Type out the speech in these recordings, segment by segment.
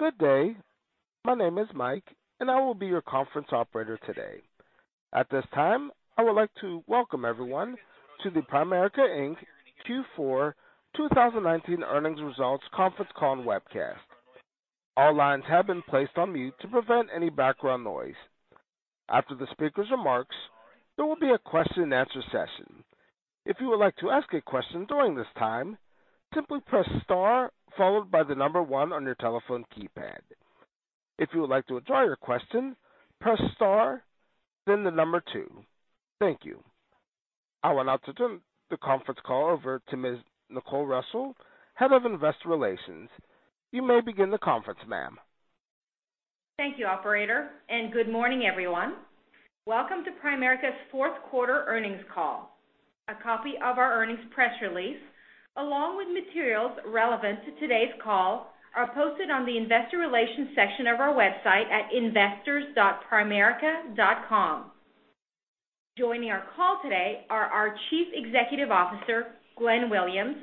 Good day. My name is Mike, I will be your conference operator today. At this time, I would like to welcome everyone to the Primerica, Inc. Q4 2019 Earnings Results Conference Call and Webcast. All lines have been placed on mute to prevent any background noise. After the speaker's remarks, there will be a question-and-answer session. If you would like to ask a question during this time, simply press star followed by the number 1 on your telephone keypad. If you would like to withdraw your question, press star, then the number 2. Thank you. I would now to turn the conference call over to Ms. Nicole Russell, Head of Investor Relations. You may begin the conference, ma'am. Thank you, operator, good morning, everyone. Welcome to Primerica's fourth quarter earnings call. A copy of our earnings press release, along with materials relevant to today's call, are posted on the investor relations section of our website at investors.primerica.com. Joining our call today are our Chief Executive Officer, Glenn Williams,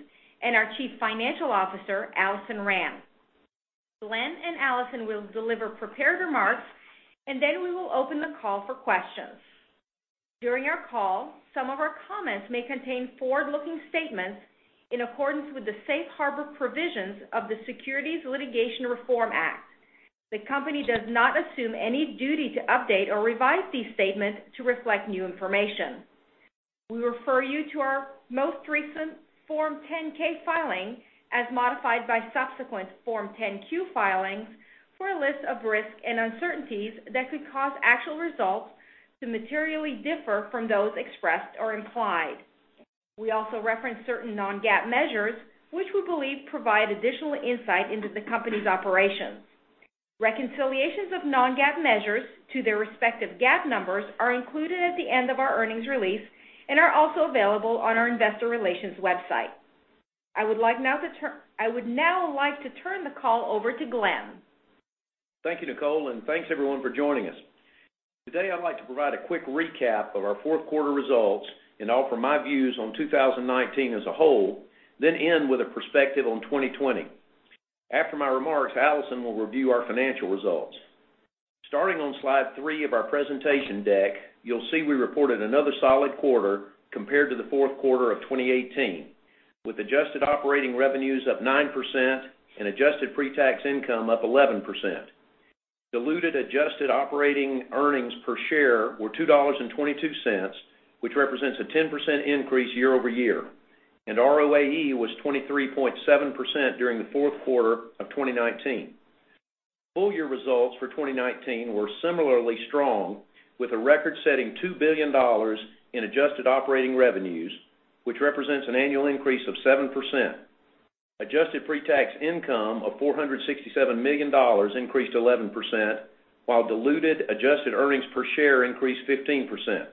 and our Chief Financial Officer, Alison Rand. Glenn and Alison will deliver prepared remarks, then we will open the call for questions. During our call, some of our comments may contain forward-looking statements in accordance with the safe harbor provisions of the Securities Litigation Reform Act. The company does not assume any duty to update or revise these statements to reflect new information. We refer you to our most recent Form 10-K filing, as modified by subsequent Form 10-Q filings, for a list of risks and uncertainties that could cause actual results to materially differ from those expressed or implied. We also reference certain non-GAAP measures which we believe provide additional insight into the company's operations. Reconciliations of non-GAAP measures to their respective GAAP numbers are included at the end of our earnings release and are also available on our investor relations website. I would now like to turn the call over to Glenn. Thank you, Nicole, thanks, everyone, for joining us. Today, I'd like to provide a quick recap of our fourth quarter results and offer my views on 2019 as a whole, then end with a perspective on 2020. After my remarks, Alison will review our financial results. Starting on slide three of our presentation deck, you'll see we reported another solid quarter compared to the fourth quarter of 2018, with adjusted operating revenues up 9% and adjusted pre-tax income up 11%. Diluted adjusted operating earnings per share were $2.22, which represents a 10% increase year-over-year, and ROAE was 23.7% during the fourth quarter of 2019. Full year results for 2019 were similarly strong, with a record-setting $2 billion in adjusted operating revenues, which represents an annual increase of 7%. Adjusted pre-tax income of $467 million increased 11%, while diluted adjusted earnings per share increased 15%.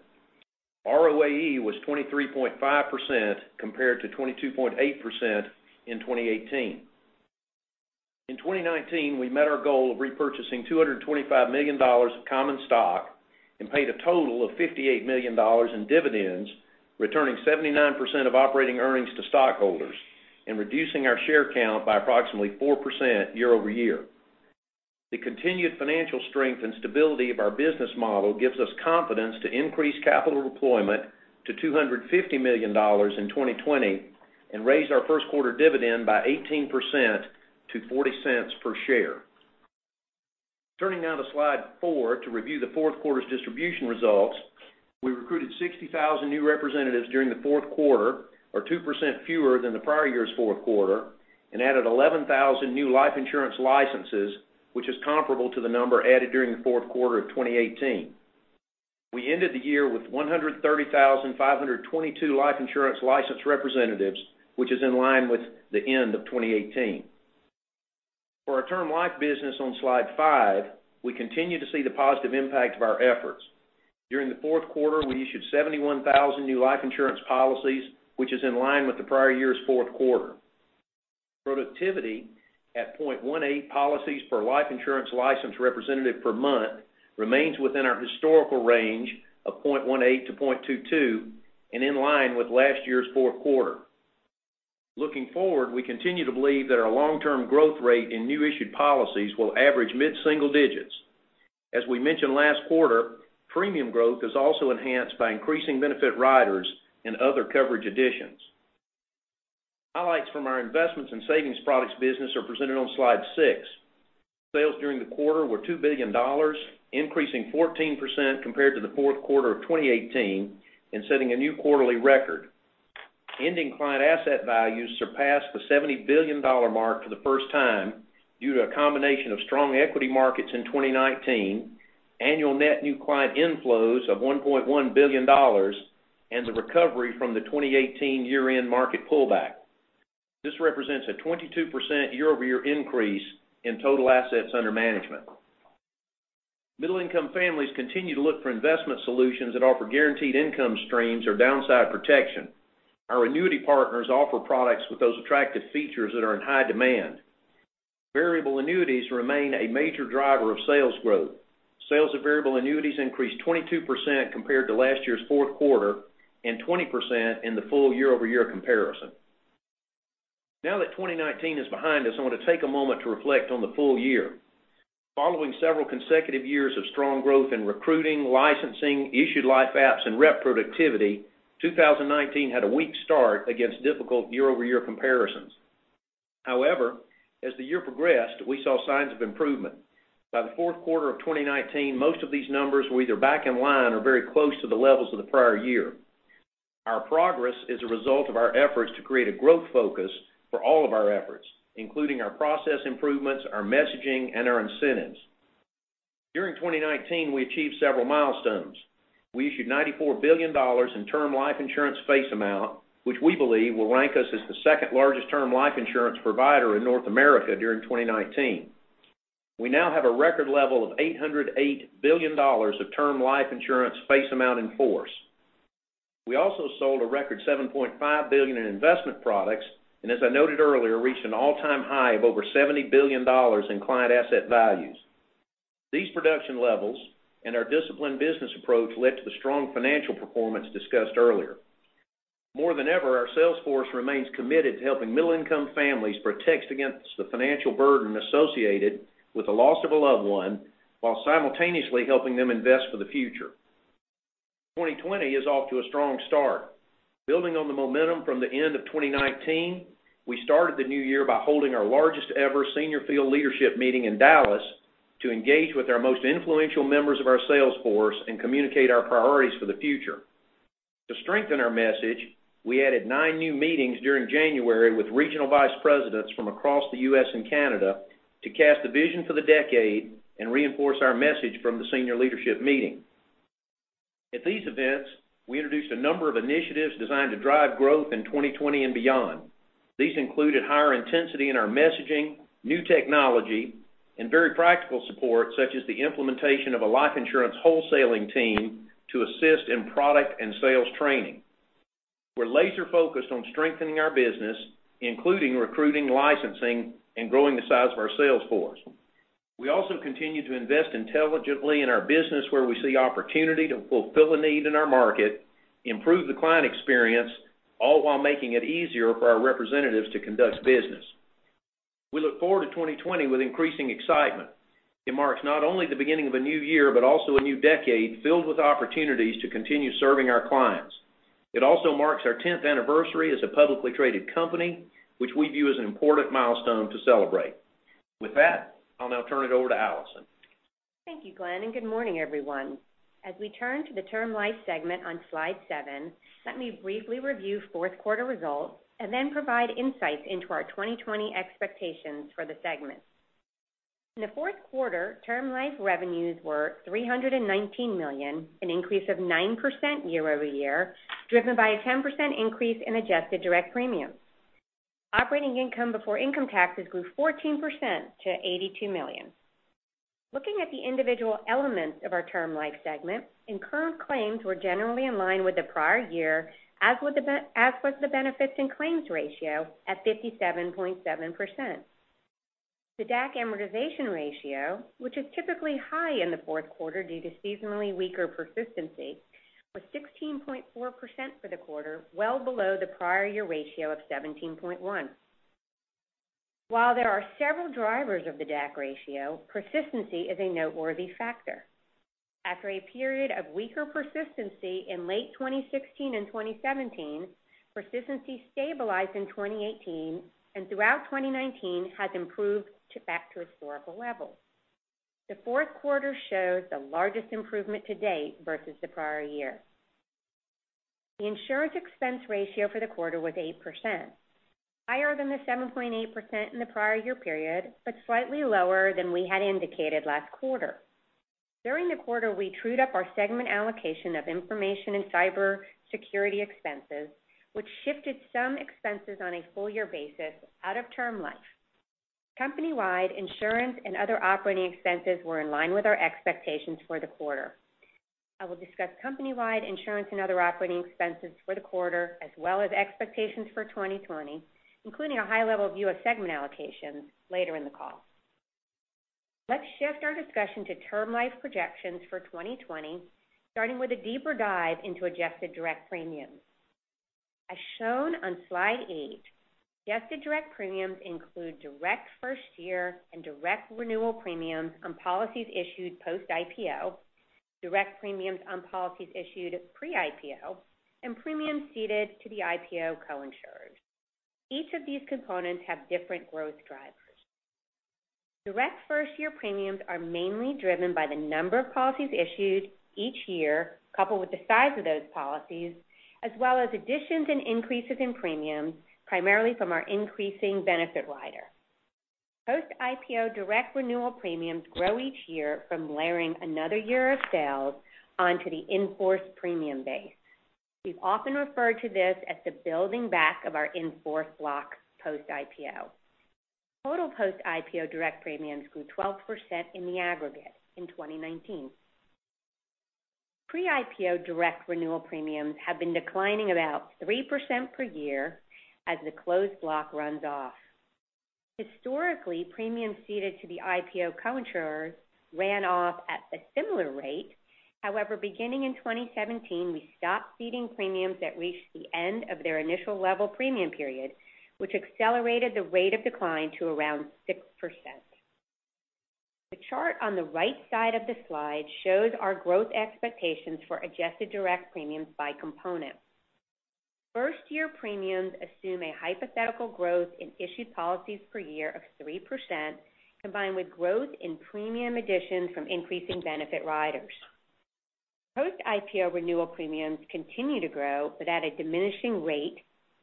ROAE was 23.5% compared to 22.8% in 2018. In 2019, we met our goal of repurchasing $225 million of common stock and paid a total of $58 million in dividends, returning 79% of operating earnings to stockholders and reducing our share count by approximately 4% year-over-year. The continued financial strength and stability of our business model gives us confidence to increase capital deployment to $250 million in 2020 and raise our first quarter dividend by 18% to $0.40 per share. Turning now to slide four to review the fourth quarter's distribution results. We recruited 60,000 new representatives during the fourth quarter, or 2% fewer than the prior year's fourth quarter, and added 11,000 new life insurance licenses, which is comparable to the number added during the fourth quarter of 2018. We ended the year with 130,522 life insurance licensed representatives, which is in line with the end of 2018. For our Term Life business on Slide five, we continue to see the positive impact of our efforts. During the fourth quarter, we issued 71,000 new life insurance policies, which is in line with the prior year's fourth quarter. Productivity at 0.18 policies per life insurance licensed representative per month remains within our historical range of 0.18 to 0.22 and in line with last year's fourth quarter. Looking forward, we continue to believe that our long-term growth rate in new issued policies will average mid-single digits. As we mentioned last quarter, premium growth is also enhanced by increasing benefit riders and other coverage additions. Highlights from our Investment and Savings Products business are presented on slide six. Sales during the quarter were $2 billion, increasing 14% compared to the fourth quarter of 2018 and setting a new quarterly record. Ending client asset values surpassed the $70 billion mark for the first time due to a combination of strong equity markets in 2019, annual net new client inflows of $1.1 billion, and the recovery from the 2018 year-end market pullback. This represents a 22% year-over-year increase in total assets under management. Middle-income families continue to look for investment solutions that offer guaranteed income streams or downside protection. Our annuity partners offer products with those attractive features that are in high demand. Variable Annuities remain a major driver of sales growth. Sales of Variable Annuities increased 22% compared to last year's fourth quarter and 20% in the full year-over-year comparison. Now that 2019 is behind us, I want to take a moment to reflect on the full year. Following several consecutive years of strong growth in recruiting, licensing, issued life apps, and rep productivity, 2019 had a weak start against difficult year-over-year comparisons. However, as the year progressed, we saw signs of improvement. By the fourth quarter of 2019, most of these numbers were either back in line or very close to the levels of the prior year. Our progress is a result of our efforts to create a growth focus for all of our efforts, including our process improvements, our messaging, and our incentives. During 2019, we achieved several milestones. We issued $94 billion in Term Life Insurance face amount, which we believe will rank us as the second largest Term Life Insurance provider in North America during 2019. We now have a record level of $808 billion of Term Life Insurance face amount in force. We also sold a record $7.5 billion in investment products, and as I noted earlier, reached an all-time high of over $70 billion in client asset values. These production levels and our disciplined business approach led to the strong financial performance discussed earlier. More than ever, our sales force remains committed to helping middle-income families protect against the financial burden associated with the loss of a loved one, while simultaneously helping them invest for the future. 2020 is off to a strong start. Building on the momentum from the end of 2019, we started the new year by holding our largest ever senior field leadership meeting in Dallas to engage with our most influential members of our sales force and communicate our priorities for the future. To strengthen our message, we added nine new meetings during January with regional vice presidents from across the U.S. and Canada to cast a vision for the decade and reinforce our message from the senior leadership meeting. At these events, we introduced a number of initiatives designed to drive growth in 2020 and beyond. These included higher intensity in our messaging, new technology, and very practical support, such as the implementation of a life insurance wholesaling team to assist in product and sales training. We're laser-focused on strengthening our business, including recruiting, licensing, and growing the size of our sales force. We also continue to invest intelligently in our business where we see opportunity to fulfill a need in our market, improve the client experience, all while making it easier for our representatives to conduct business. We look forward to 2020 with increasing excitement. It marks not only the beginning of a new year, but also a new decade filled with opportunities to continue serving our clients. It also marks our 10th anniversary as a publicly traded company, which we view as an important milestone to celebrate. With that, I'll now turn it over to Alison. Thank you, Glenn, and good morning, everyone. As we turn to the Term Life segment on slide seven, let me briefly review fourth quarter results and then provide insights into our 2020 expectations for the segment. In the fourth quarter, Term Life revenues were $319 million, an increase of 9% year-over-year, driven by a 10% increase in adjusted direct premiums. Operating income before income taxes grew 14% to $82 million. Looking at the individual elements of our Term Life segment, incurred claims were generally in line with the prior year, as was the benefits and claims ratio at 57.7%. The DAC amortization ratio, which is typically high in the fourth quarter due to seasonally weaker persistency, was 16.4% for the quarter, well below the prior year ratio of 17.1%. While there are several drivers of the DAC ratio, persistency is a noteworthy factor. After a period of weaker persistency in late 2016 and 2017, persistency stabilized in 2018, and throughout 2019 has improved back to historical levels. The fourth quarter shows the largest improvement to date versus the prior year. The insurance expense ratio for the quarter was 8%, higher than the 7.8% in the prior year period, but slightly lower than we had indicated last quarter. During the quarter, we trued up our segment allocation of information and cybersecurity expenses, which shifted some expenses on a full year basis out of Term Life. Company-wide insurance and other operating expenses were in line with our expectations for the quarter. I will discuss company-wide insurance and other operating expenses for the quarter, as well as expectations for 2020, including a high-level view of segment allocations later in the call. Let's shift our discussion to Term Life projections for 2020, starting with a deeper dive into adjusted direct premiums. As shown on slide eight, adjusted direct premiums include direct first year and direct renewal premiums on policies issued post-IPO, direct premiums on policies issued pre-IPO, and premiums ceded to the IPO co-insurers. Each of these components have different growth drivers. Direct first-year premiums are mainly driven by the number of policies issued each year, coupled with the size of those policies, as well as additions and increases in premiums, primarily from our increasing benefit rider. Post-IPO direct renewal premiums grow each year from layering another year of sales onto the in-force premium base. We've often referred to this as the building back of our in-force block post-IPO. Total post-IPO direct premiums grew 12% in the aggregate in 2019. Pre-IPO direct renewal premiums have been declining about 3% per year as the closed block runs off. Historically, premiums ceded to the IPO co-insurers ran off at a similar rate. However, beginning in 2017, we stopped ceding premiums that reached the end of their initial level premium period, which accelerated the rate of decline to around 6%. The chart on the right side of the slide shows our growth expectations for adjusted direct premiums by component. First-year premiums assume a hypothetical growth in issued policies per year of 3%, combined with growth in premium additions from increasing benefit riders. Post-IPO renewal premiums continue to grow, but at a diminishing rate,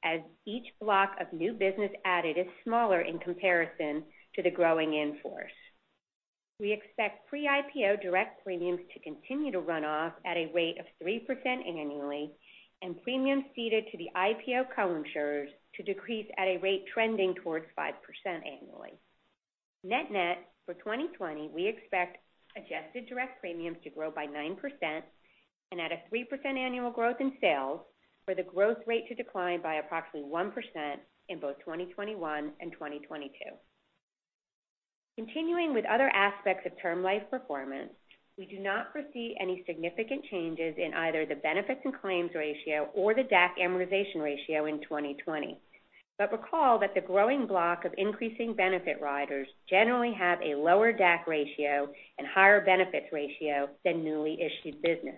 as each block of new business added is smaller in comparison to the growing in-force. We expect pre-IPO direct premiums to continue to run off at a rate of 3% annually, and premiums ceded to the IPO co-insurers to decrease at a rate trending towards 5% annually. Net-net, for 2020, we expect adjusted direct premiums to grow by 9%, and at a 3% annual growth in sales, for the growth rate to decline by approximately 1% in both 2021 and 2022. Continuing with other aspects of Term Life performance, we do not foresee any significant changes in either the benefits and claims ratio or the DAC amortization ratio in 2020. Recall that the growing block of increasing benefit riders generally have a lower DAC ratio and higher benefits ratio than newly issued business.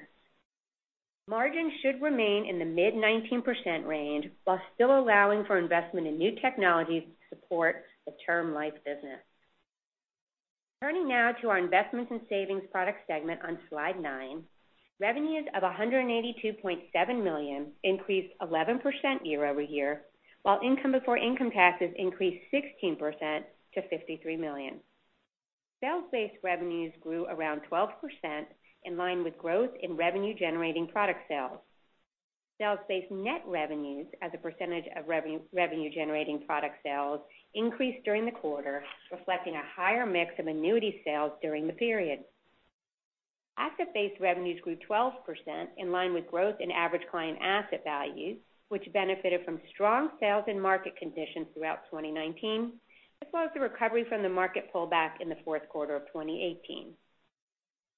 Margins should remain in the mid-19% range, while still allowing for investment in new technologies to support the Term Life business. Turning now to our Investment and Savings Products segment on Slide nine, revenues of $182.7 million increased 11% year-over-year, while income before income taxes increased 16% to $53 million. Sales-based revenues grew around 12%, in line with growth in revenue-generating product sales. Sales-based net revenues as a percentage of revenue-generating product sales increased during the quarter, reflecting a higher mix of annuity sales during the period. Asset-based revenues grew 12%, in line with growth in average client asset values, which benefited from strong sales and market conditions throughout 2019, as well as the recovery from the market pullback in the fourth quarter of 2018.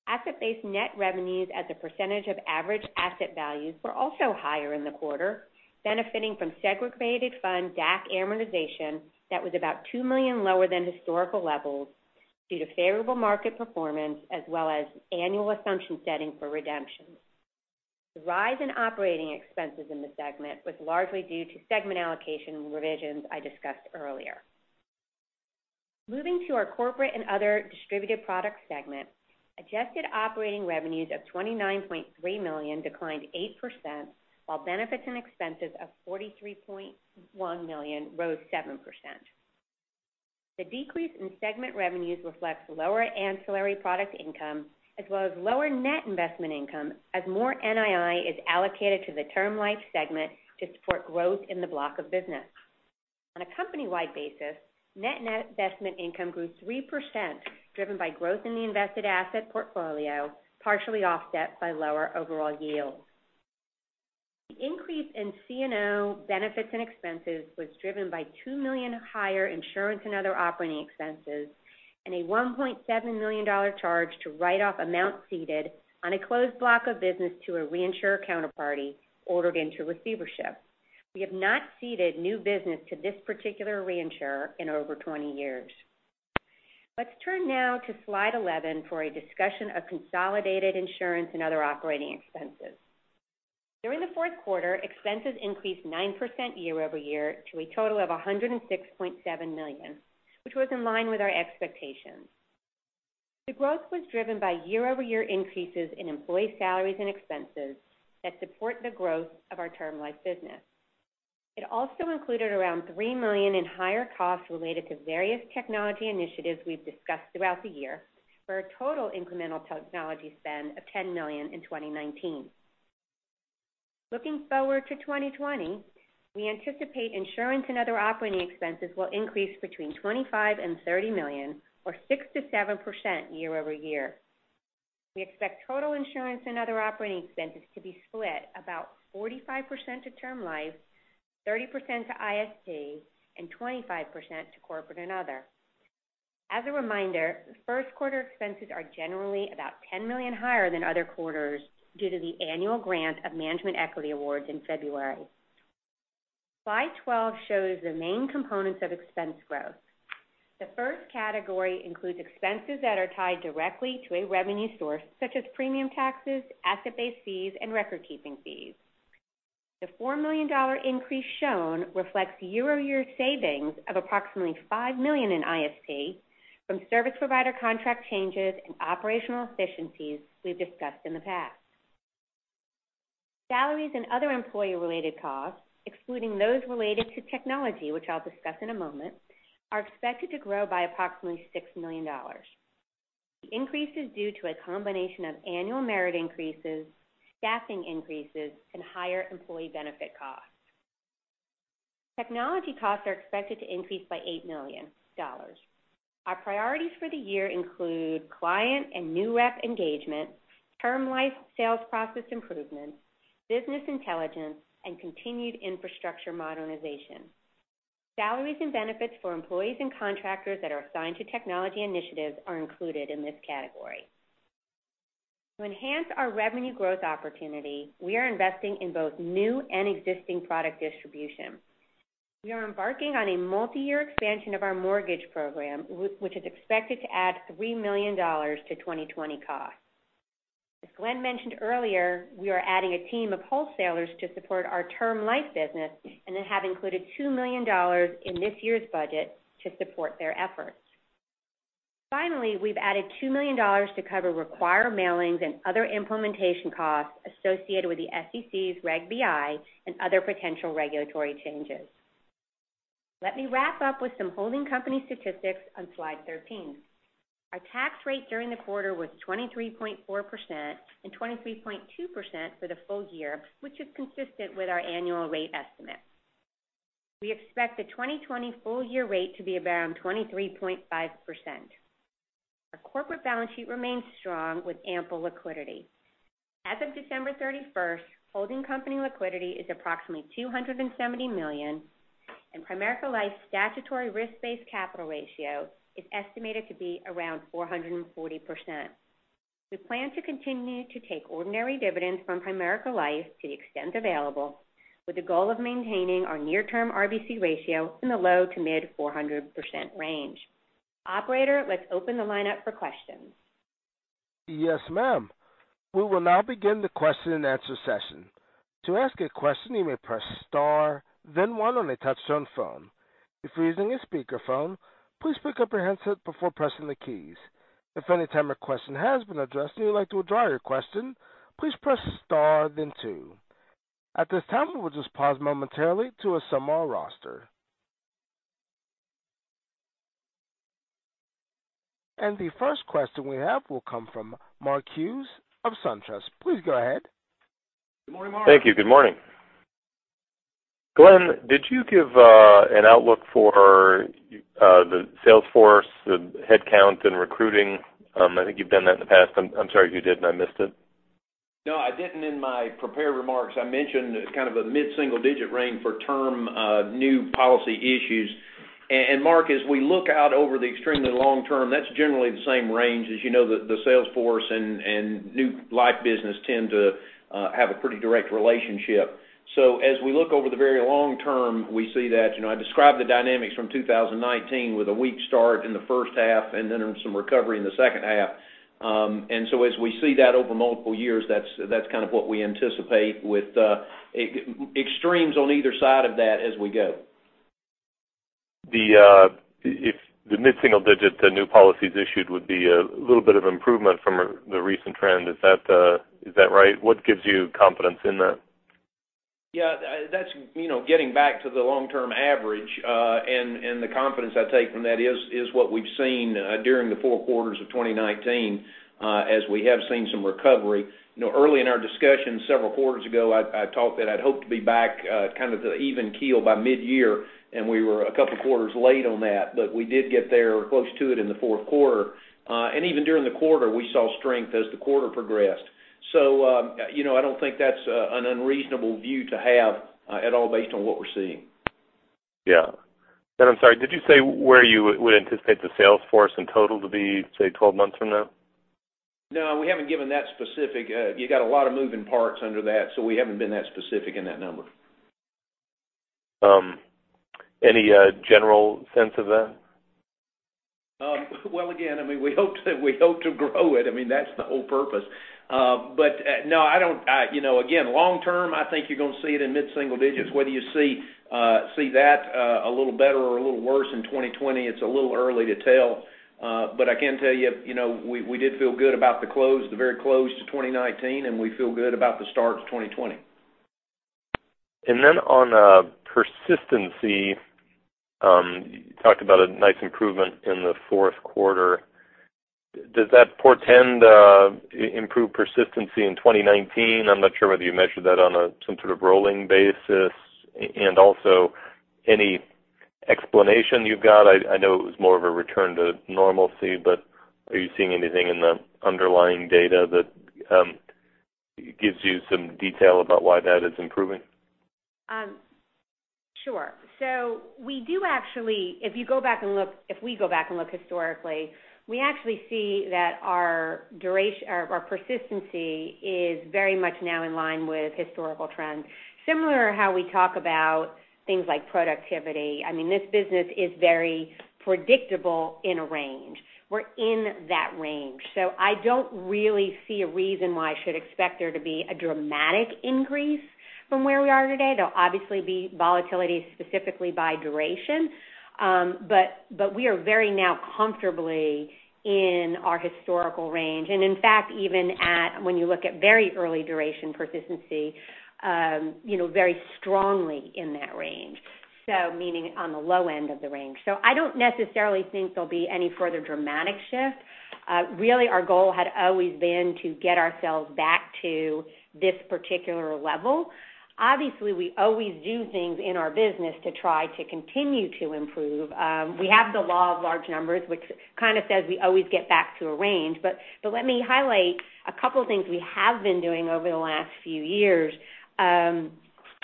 Asset-based net revenues as a percentage of average asset values were also higher in the quarter, benefiting from segregated fund DAC amortization that was about $2 million lower than historical levels due to favorable market performance, as well as annual assumption setting for redemptions. The rise in operating expenses in the segment was largely due to segment allocation revisions I discussed earlier. Moving to our Corporate and Other Distributed Products segment, adjusted operating revenues of $29.3 million declined 8%, while benefits and expenses of $43.1 million rose 7%. The decrease in segment revenues reflects lower ancillary product income as well as lower net investment income, as more NII is allocated to the Term Life segment to support growth in the block of business. On a company-wide basis, net investment income grew 3%, driven by growth in the invested asset portfolio, partially offset by lower overall yields. The increase in C&O benefits and expenses was driven by $2 million higher insurance and other operating expenses and a $1.7 million charge to write off amounts ceded on a closed block of business to a reinsurer counterparty ordered into receivership. We have not ceded new business to this particular reinsurer in over 20 years. Let's turn now to Slide eleven for a discussion of consolidated insurance and other operating expenses. During the fourth quarter, expenses increased 9% year-over-year to a total of $106.7 million, which was in line with our expectations. The growth was driven by year-over-year increases in employee salaries and expenses that support the growth of our Term Life business. It also included around $3 million in higher costs related to various technology initiatives we've discussed throughout the year, for a total incremental technology spend of $10 million in 2019. Looking forward to 2020, we anticipate insurance and other operating expenses will increase between $25 million and $30 million, or 6%-7% year-over-year. We expect total insurance and other operating expenses to be split about 45% to Term Life, 30% to ISP, and 25% to Corporate and Other. As a reminder, first quarter expenses are generally about $10 million higher than other quarters due to the annual grant of management equity awards in February. Slide 12 shows the main components of expense growth. The first category includes expenses that are tied directly to a revenue source, such as premium taxes, asset-based fees, and record-keeping fees. The $4 million increase shown reflects year-over-year savings of approximately $5 million in ISP from service provider contract changes and operational efficiencies we've discussed in the past. Salaries and other employee-related costs, excluding those related to technology, which I'll discuss in a moment, are expected to grow by approximately $6 million. The increase is due to a combination of annual merit increases, staffing increases, and higher employee benefit costs. Technology costs are expected to increase by $8 million. Our priorities for the year include client and new rep engagement, Term Life sales process improvements, business intelligence, and continued infrastructure modernization. Salaries and benefits for employees and contractors that are assigned to technology initiatives are included in this category. To enhance our revenue growth opportunity, we are investing in both new and existing product distribution. We are embarking on a multi-year expansion of our mortgage program, which is expected to add $3 million to 2020 costs. As Glenn mentioned earlier, we are adding a team of wholesalers to support our Term Life business, have included $2 million in this year's budget to support their efforts. Finally, we've added $2 million to cover required mailings and other implementation costs associated with the SEC's Reg BI and other potential regulatory changes. Let me wrap up with some holding company statistics on slide 13. Our tax rate during the quarter was 23.4% and 23.2% for the full year, which is consistent with our annual rate estimate. We expect the 2020 full year rate to be around 23.5%. Our corporate balance sheet remains strong with ample liquidity. As of December 31st, holding company liquidity is approximately $270 million, and Primerica Life's statutory risk-based capital ratio is estimated to be around 440%. We plan to continue to take ordinary dividends from Primerica Life to the extent available, with the goal of maintaining our near-term RBC ratio in the low to mid 400% range. Operator, let's open the lineup for questions. Yes, ma'am. We will now begin the question and answer session. To ask a question, you may press star then one on a touch-tone phone. If you're using a speakerphone, please pick up your handset before pressing the keys. If at any time your question has been addressed and you'd like to withdraw your question, please press star then two. At this time, we will just pause momentarily to assemble our roster. The first question we have will come from Mark Hughes of SunTrust. Please go ahead. Good morning, Mark. Thank you. Good morning. Glenn, did you give an outlook for the sales force, the head count in recruiting? I think you've done that in the past. I'm sorry if you did and I missed it. No, I didn't in my prepared remarks. I mentioned kind of a mid-single digit range for term new policy issues. Mark, as we look out over the extremely long term, that's generally the same range. As you know, the sales force and new life business tend to have a pretty direct relationship. As we look over the very long term, we see that. I described the dynamics from 2019 with a weak start in the first half and then some recovery in the second half. As we see that over multiple years, that's kind of what we anticipate with extremes on either side of that as we go. If the mid-single digit, the new policies issued would be a little bit of improvement from the recent trend. Is that right? What gives you confidence in that? Yeah. That's getting back to the long-term average. The confidence I take from that is what we've seen during the four quarters of 2019, as we have seen some recovery. Early in our discussion several quarters ago, I talked that I'd hoped to be back kind of at the even keel by mid-year, and we were a couple of quarters late on that, but we did get there or close to it in the fourth quarter. Even during the quarter, we saw strength as the quarter progressed. I don't think that's an unreasonable view to have at all based on what we're seeing. Yeah. I'm sorry, did you say where you would anticipate the sales force in total to be, say, 12 months from now? No, we haven't given that specific. You got a lot of moving parts under that, we haven't been that specific in that number. Any general sense of that? Well, again, we hope to grow it. I mean, that's the whole purpose. No, again, long term, I think you're going to see it in mid-single digits. Whether you see that a little better or a little worse in 2020, it's a little early to tell. I can tell you, we did feel good about the close, the very close to 2019, and we feel good about the start to 2020. On persistency, you talked about a nice improvement in the fourth quarter. Does that portend improved persistency in 2019? I'm not sure whether you measured that on some sort of rolling basis. Any explanation you've got? I know it was more of a return to normalcy, but are you seeing anything in the underlying data that gives you some detail about why that is improving? Sure. We do actually, if we go back and look historically, we actually see that our persistency is very much now in line with historical trends. Similar how we talk about things like productivity. I mean, this business is very predictable in a range. We're in that range. I don't really see a reason why I should expect there to be a dramatic increase from where we are today. There'll obviously be volatility specifically by duration. We are very now comfortably in our historical range. In fact, even at when you look at very early duration persistency, very strongly in that range. Meaning on the low end of the range. I don't necessarily think there'll be any further dramatic shift. Really, our goal had always been to get ourselves back to this particular level. Obviously, we always do things in our business to try to continue to improve. We have the law of large numbers, which kind of says we always get back to a range. Let me highlight a couple things we have been doing over the last few years,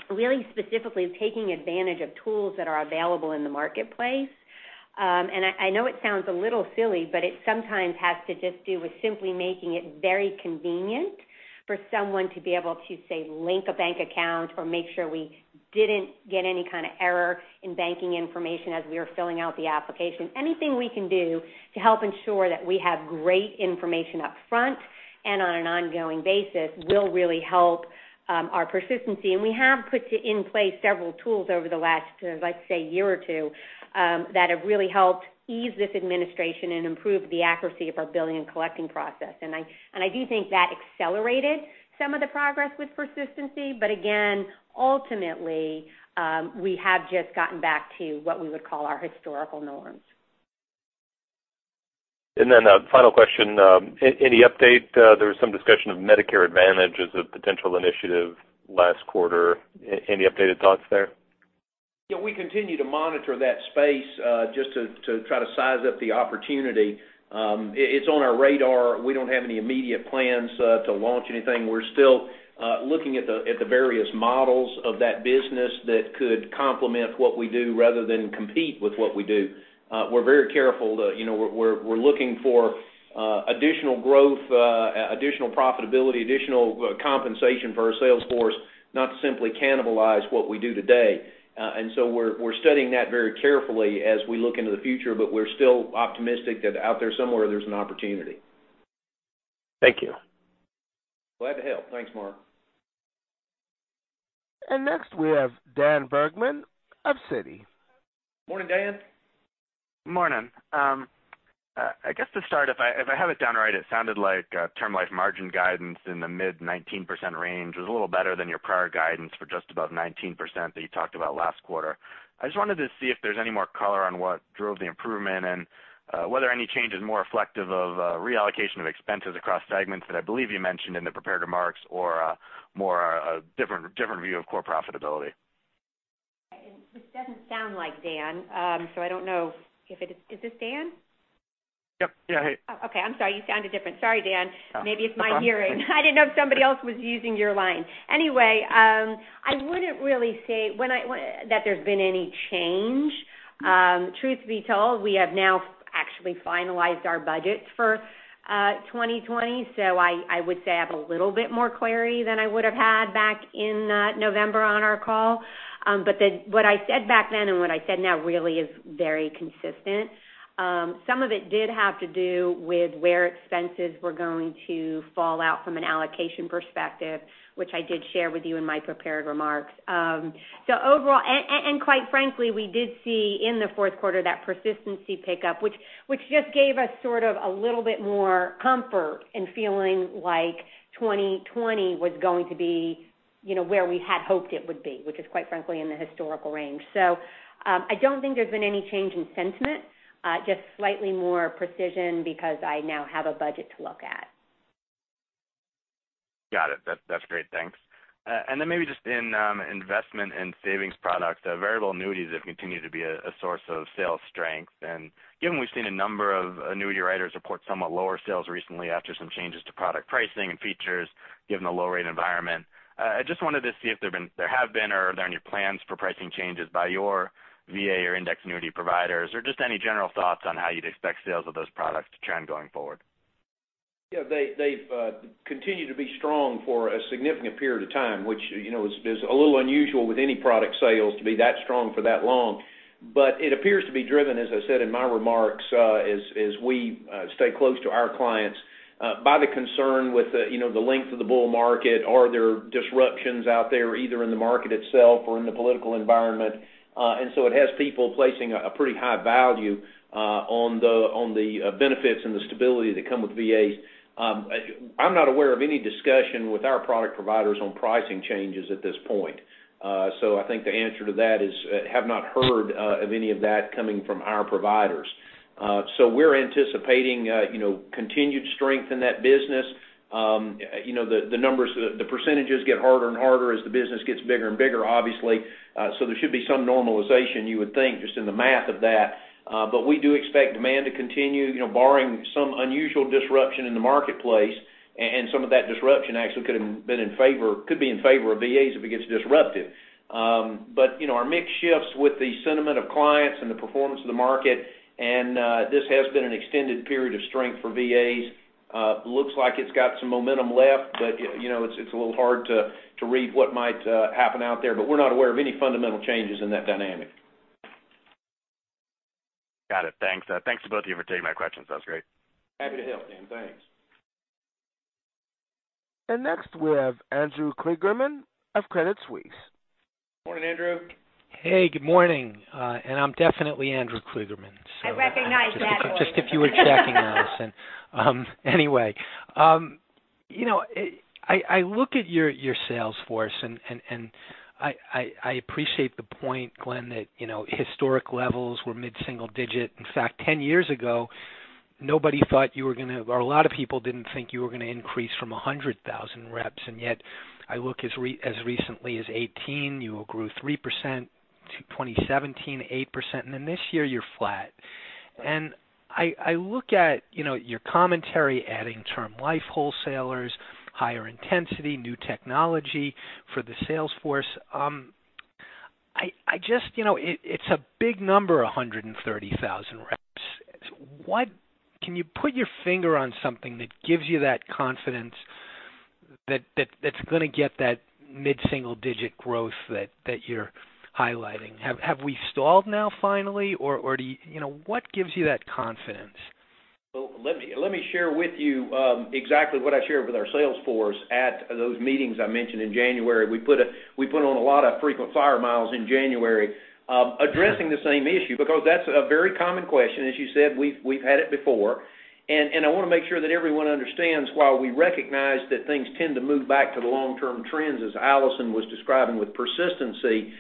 really specifically taking advantage of tools that are available in the marketplace. I know it sounds a little silly, but it sometimes has to just do with simply making it very convenient for someone to be able to, say, link a bank account or make sure we didn't get any kind of error in banking information as we are filling out the application. Anything we can do to help ensure that we have great information up front and on an ongoing basis will really help our persistency. We have put in place several tools over the last, let's say, year or two, that have really helped ease this administration and improve the accuracy of our billing and collecting process. I do think that accelerated some of the progress with persistency. Again, ultimately, we have just gotten back to what we would call our historical norms. A final question, any update? There was some discussion of Medicare Advantage as a potential initiative last quarter. Any updated thoughts there? We continue to monitor that space, just to try to size up the opportunity. It's on our radar. We don't have any immediate plans to launch anything. We're still looking at the various models of that business that could complement what we do rather than compete with what we do. We're very careful. We're looking for additional growth, additional profitability, additional compensation for our sales force, not to simply cannibalize what we do today. We're studying that very carefully as we look into the future, but we're still optimistic that out there somewhere, there's an opportunity. Thank you. Glad to help. Thanks, Mark. next we have Daniel Bergman of Citi. Morning, Dan. Morning. I guess to start, if I have it down right, it sounded like Term Life margin guidance in the mid 19% range was a little better than your prior guidance for just above 19% that you talked about last quarter. I just wanted to see if there's any more color on what drove the improvement and whether any change is more reflective of reallocation of expenses across segments that I believe you mentioned in the prepared remarks or more a different view of core profitability. This doesn't sound like Dan, so I don't know if it is this Dan? Yep. Yeah, hey. Oh, okay. I'm sorry, you sounded different. Sorry, Dan. Maybe it's my hearing. That's all right. I didn't know if somebody else was using your line. I wouldn't really say that there's been any change. Truth be told, we have now actually finalized our budgets for 2020, so I would say I have a little bit more clarity than I would have had back in November on our call. What I said back then and what I said now really is very consistent. Some of it did have to do with where expenses were going to fall out from an allocation perspective, which I did share with you in my prepared remarks. Overall, and quite frankly, we did see in the fourth quarter that persistency pick up, which just gave us sort of a little bit more comfort in feeling like 2020 was going to be where we had hoped it would be, which is quite frankly, in the historical range. I don't think there's been any change in sentiment, just slightly more precision because I now have a budget to look at. Got it. That's great. Thanks. Then maybe just in Investment and Savings Products, Variable Annuities have continued to be a source of sales strength. Given we've seen a number of annuity writers report somewhat lower sales recently after some changes to product pricing and features, given the low rate environment, I just wanted to see if there have been or are there any plans for pricing changes by your VA or index annuity providers, or just any general thoughts on how you'd expect sales of those products to trend going forward? They've continued to be strong for a significant period of time, which is a little unusual with any product sales to be that strong for that long. It appears to be driven, as I said in my remarks, as we stay close to our clients, by the concern with the length of the bull market, are there disruptions out there, either in the market itself or in the political environment? It has people placing a pretty high value on the benefits and the stability that come with VAs. I'm not aware of any discussion with our product providers on pricing changes at this point. I think the answer to that is, have not heard of any of that coming from our providers. We're anticipating continued strength in that business. The percentages get harder and harder as the business gets bigger and bigger, obviously. There should be some normalization, you would think, just in the math of that. We do expect demand to continue, borrowing some unusual disruption in the marketplace, and some of that disruption actually could be in favor of VAs if it gets disruptive. Our mix shifts with the sentiment of clients and the performance of the market, and this has been an extended period of strength for VAs. Looks like it's got some momentum left, but it's a little hard to read what might happen out there. We're not aware of any fundamental changes in that dynamic. Got it. Thanks. Thanks to both of you for taking my questions. That was great. Happy to help, Dan. Thanks. Next we have Andrew Kligerman of Credit Suisse. Morning, Andrew. Hey, good morning. I'm definitely Andrew Kligerman. I recognize that voice just if you were checking, Alison. I look at your sales force, I appreciate the point, Glenn, that historic levels were mid-single digit. In fact, 10 years ago, a lot of people didn't think you were going to increase from 100,000 reps, yet I look as recently as 2018, you grew 3%, to 2017, 8%, then this year you're flat. I look at your commentary, adding Term Life wholesalers, higher intensity, new technology for the sales force. It's a big number, 130,000 reps. Can you put your finger on something that gives you that confidence that's going to get that mid-single digit growth that you're highlighting? Have we stalled now finally, or what gives you that confidence? Let me share with you exactly what I shared with our sales force at those meetings I mentioned in January. We put on a lot of frequent flyer miles in January addressing the same issue, because that's a very common question. As you said, we've had it before, I want to make sure that everyone understands while we recognize that things tend to move back to the long-term trends, as Alison was describing with persistency,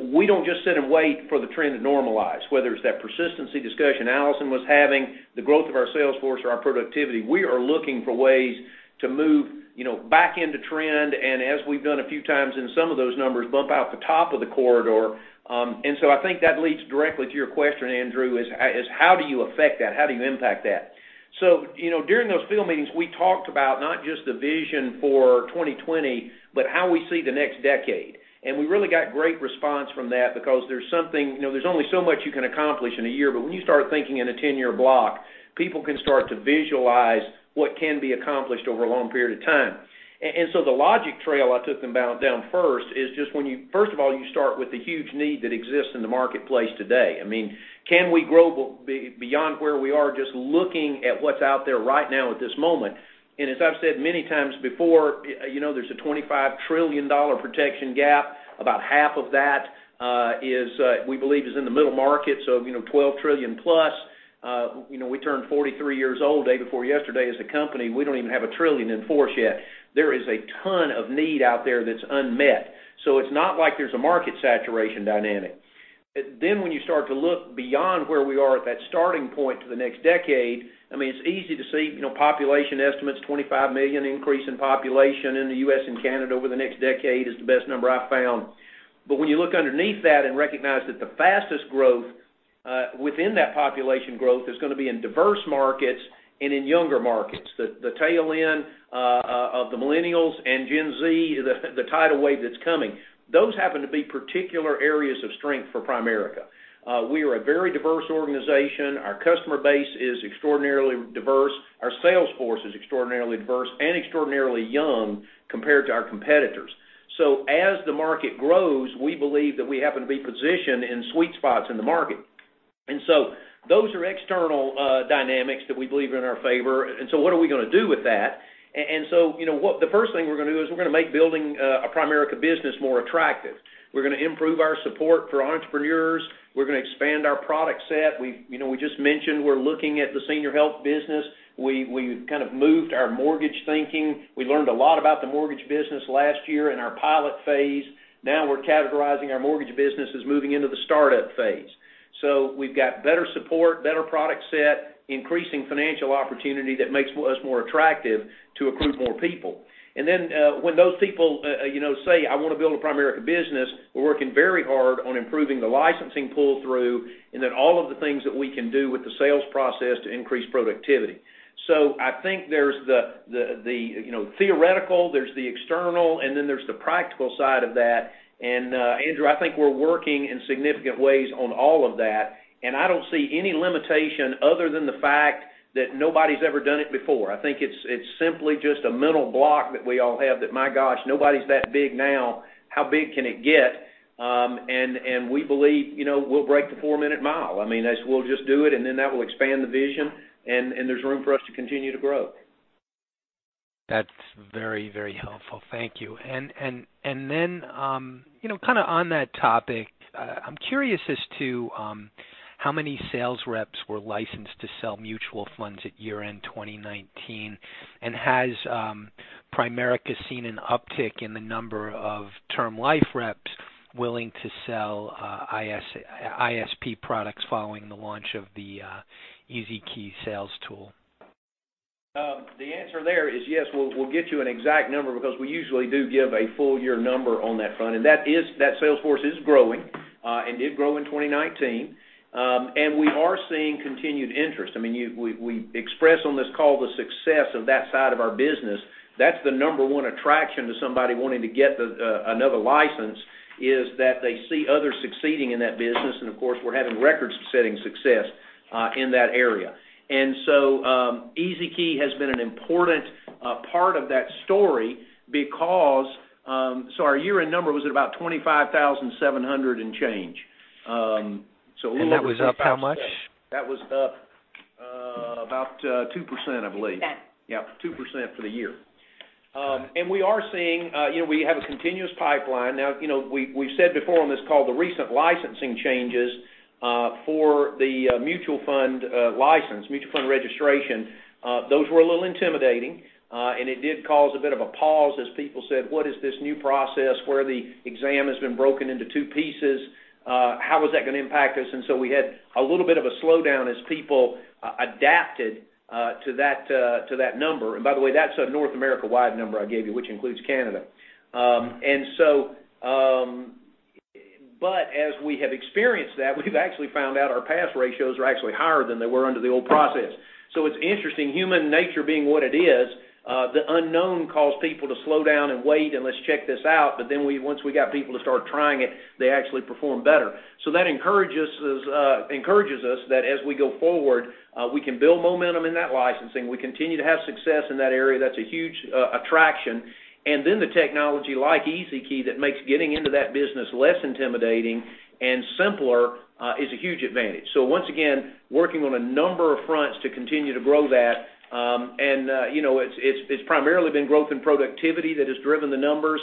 we don't just sit and wait for the trend to normalize. Whether it's that persistency discussion Alison was having, the growth of our sales force, or our productivity, we are looking for ways to move back into trend as we've done a few times in some of those numbers, bump out the top of the corridor. I think that leads directly to your question, Andrew, is how do you affect that? How do you impact that? During those field meetings, we talked about not just the vision for 2020, but how we see the next decade. We really got great response from that because there's only so much you can accomplish in a year, but when you start thinking in a 10-year block, people can start to visualize what can be accomplished over a long period of time. The logic trail I took them down first is just, first of all, you start with the huge need that exists in the marketplace today. Can we grow beyond where we are just looking at what's out there right now at this moment? As I've said many times before, there's a $25 trillion protection gap. About half of that we believe is in the middle market, $12 trillion plus. We turned 43 years old day before yesterday as a company. We don't even have $1 trillion in force yet. There is a ton of need out there that's unmet. It's not like there's a market saturation dynamic. When you start to look beyond where we are at that starting point to the next decade, it's easy to see population estimates, 25 million increase in population in the U.S. and Canada over the next decade is the best number I've found. When you look underneath that and recognize that the fastest growth within that population growth is going to be in diverse markets and in younger markets, the tail end of the millennials and Gen Z, the tidal wave that's coming, those happen to be particular areas of strength for Primerica. We are a very diverse organization. Our customer base is extraordinarily diverse. Our sales force is extraordinarily diverse and extraordinarily young compared to our competitors. As the market grows, we believe that we happen to be positioned in sweet spots in the market. Those are external dynamics that we believe are in our favor, what are we going to do with that? The first thing we're going to do is we're going to make building a Primerica business more attractive. We're going to improve our support for entrepreneurs. We're going to expand our product set. We just mentioned we're looking at the senior health business. We've kind of moved our mortgage thinking. We learned a lot about the mortgage business last year in our pilot phase. Now we're categorizing our mortgage business as moving into the startup phase. We've got better support, better product set, increasing financial opportunity that makes us more attractive to accrue more people. When those people say, "I want to build a Primerica business," we're working very hard on improving the licensing pull-through and then all of the things that we can do with the sales process to increase productivity. I think there's the theoretical, there's the external, and then there's the practical side of that. Andrew, I think we're working in significant ways on all of that, and I don't see any limitation other than the fact that nobody's ever done it before. I think it's simply just a mental block that we all have that, my gosh, nobody's that big now. How big can it get? We believe we'll break the four-minute mile. We'll just do it, and then that will expand the vision, and there's room for us to continue to grow. That's very helpful. Thank you. Then, on that topic, I'm curious as to how many sales reps were licensed to sell mutual funds at year-end 2019, and has Primerica seen an uptick in the number of Term Life reps willing to sell ISP products following the launch of the EZ Key sales tool? The answer there is yes. We'll get you an exact number because we usually do give a full year number on that front, and that sales force is growing, and did grow in 2019. We are seeing continued interest. We expressed on this call the success of that side of our business. That's the number one attraction to somebody wanting to get another license, is that they see others succeeding in that business, and of course, we're having record-setting success in that area. EZ Key has been an important part of that story because our year-end number was at about 25,700 and change. We'll look at the full- That was up how much? That was up about 2%, I believe. That. Yep, 2% for the year. We are seeing, we have a continuous pipeline. We've said before on this call the recent licensing changes, for the mutual fund license, mutual fund registration, those were a little intimidating. It did cause a bit of a pause as people said, "What is this new process where the exam has been broken into two pieces? How is that going to impact us?" We had a little bit of a slowdown as people adapted to that number. By the way, that's a North America-wide number I gave you, which includes Canada. As we have experienced that, we've actually found out our pass ratios are actually higher than they were under the old process. It's interesting, human nature being what it is, the unknown caused people to slow down and wait and let's check this out. Once we got people to start trying it, they actually performed better. That encourages us that as we go forward, we can build momentum in that licensing. We continue to have success in that area. That's a huge attraction. The technology like EZ Key that makes getting into that business less intimidating and simpler, is a huge advantage. Once again, working on a number of fronts to continue to grow that. It's primarily been growth and productivity that has driven the numbers,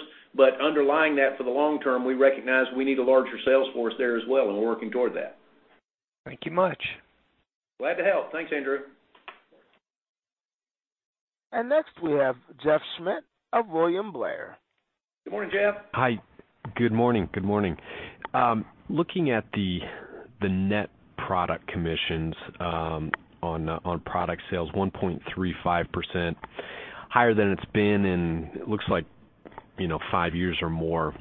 underlying that for the long term, we recognize we need a larger sales force there as well, and we're working toward that. Thank you much. Glad to help. Thanks, Andrew. Next we have Jeffrey Schmitt of William Blair. Good morning, Jeff. Hi, good morning. Good morning. Looking at the net product commissions on product sales, 1.35%, higher than it's been in, it looks like, five years or more.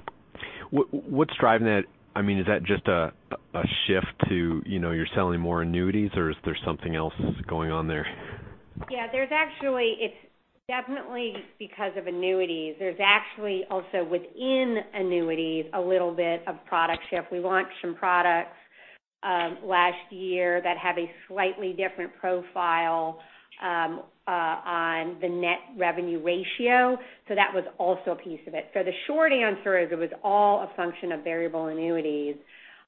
What's driving that? Is that just a shift to you're selling more annuities, or is there something else going on there? It's definitely because of annuities. There's actually also within annuities, a little bit of product shift. We launched some products last year that have a slightly different profile on the net revenue ratio. That was also a piece of it. The short answer is it was all a function of Variable Annuities.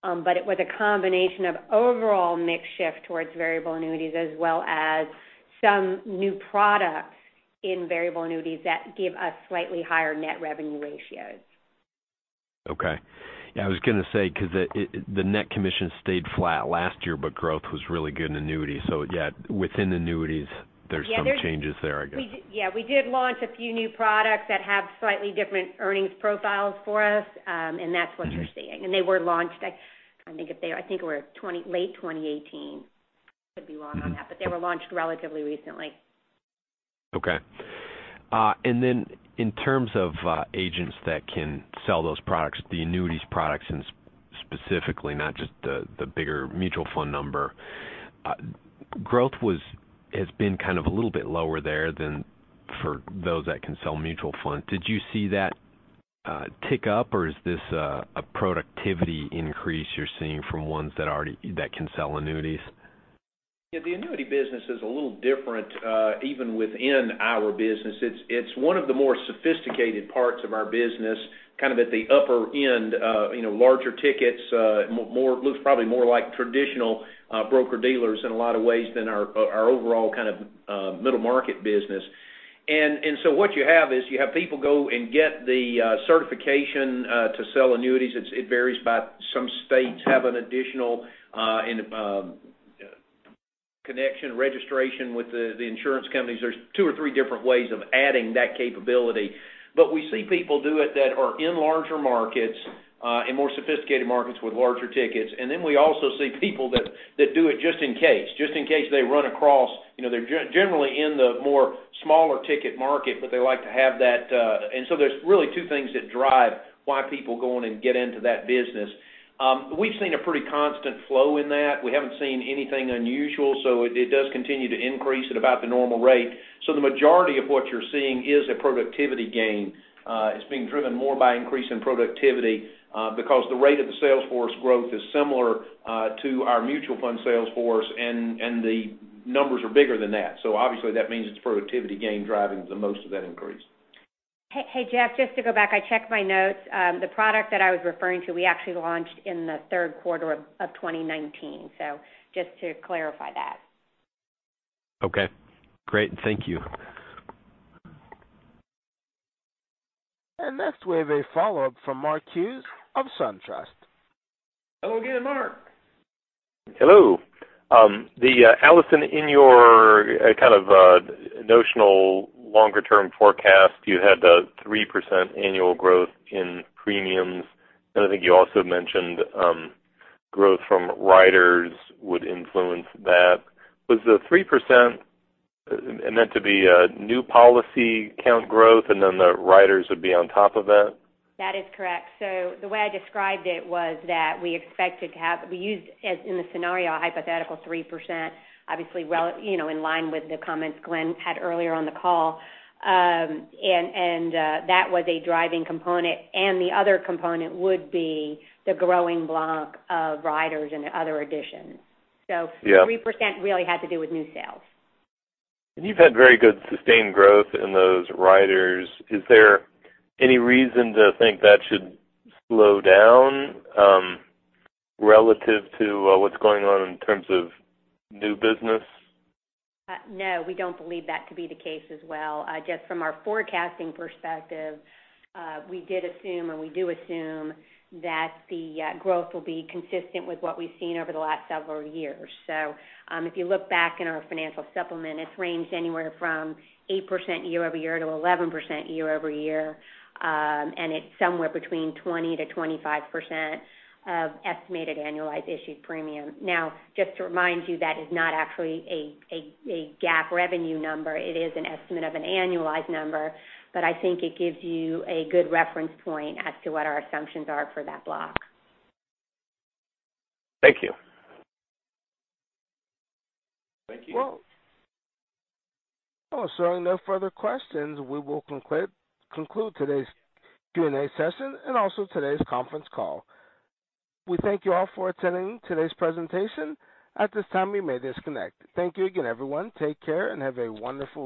It was a combination of overall mix shift towards Variable Annuities, as well as some new products in Variable Annuities that give us slightly higher net revenue ratios. Okay. I was going to say, because the net commission stayed flat last year, but growth was really good in annuities. Within annuities, there's some changes there, I guess. We did launch a few new products that have slightly different earnings profiles for us, and that's what you're seeing. They were launched, I think it were late 2018. Could be wrong on that, but they were launched relatively recently. Okay. In terms of agents that can sell those products, the annuities products specifically, not just the bigger mutual fund number, growth has been kind of a little bit lower there than for those that can sell mutual funds. Did you see that tick up, or is this a productivity increase you're seeing from ones that can sell annuities? The annuity business is a little different, even within our business. It's one of the more sophisticated parts of our business, kind of at the upper end of larger tickets, looks probably more like traditional broker-dealers in a lot of ways than our overall kind of middle market business. What you have is you have people go and get the certification to sell annuities. It varies by some states have an additional connection, registration with the insurance companies. There's two or three different ways of adding that capability. We see people do it that are in larger markets, in more sophisticated markets with larger tickets. We also see people that do it just in case they run across, they're generally in the more smaller ticket market, but they like to have that. There's really two things that drive why people go on and get into that business. We've seen a pretty constant flow in that. We haven't seen anything unusual. It does continue to increase at about the normal rate. The majority of what you're seeing is a productivity gain. It's being driven more by increase in productivity, because the rate of the sales force growth is similar to our mutual fund sales force, and the numbers are bigger than that. Obviously that means it's productivity gain driving the most of that increase. Hey, Jeff, just to go back, I checked my notes. The product that I was referring to, we actually launched in the third quarter of 2019. Just to clarify that. Okay, great. Thank you. Next, we have a follow-up from Mark Hughes of SunTrust. Hello again, Mark. Hello. Alison, in your kind of notional longer term forecast, you had a 3% annual growth in premiums, and I think you also mentioned growth from riders would influence that. Was the 3% meant to be a new policy count growth and then the riders would be on top of that? That is correct. The way I described it was that we used in the scenario a hypothetical 3%, obviously in line with the comments Glenn had earlier on the call. That was a driving component, the other component would be the growing block of riders and other additions. Yeah. 3% really had to do with new sales. You've had very good sustained growth in those riders. Is there any reason to think that should slow down, relative to what's going on in terms of new business? No, we don't believe that to be the case as well. Just from our forecasting perspective, we did assume, and we do assume that the growth will be consistent with what we've seen over the last several years. If you look back in our financial supplement, it's ranged anywhere from 8% year-over-year to 11% year-over-year, and it's somewhere between 20%-25% of estimated annualized issued premium. Just to remind you, that is not actually a GAAP revenue number. It is an estimate of an annualized number. I think it gives you a good reference point as to what our assumptions are for that block. Thank you. Thank you. Well, no further questions. We will conclude today's Q&A session and also today's conference call. We thank you all for attending today's presentation. At this time, you may disconnect. Thank you again, everyone. Take care and have a wonderful week